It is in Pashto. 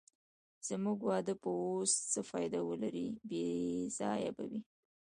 زموږ واده به اوس څه فایده ولرې، بې ځایه به وي.